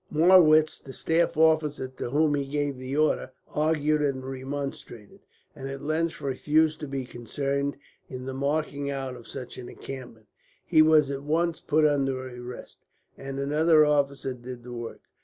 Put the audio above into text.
Marwitz, the staff officer to whom he gave the order, argued and remonstrated, and at length refused to be concerned in the marking out of such an encampment. He was at once put under arrest, and another officer did the work.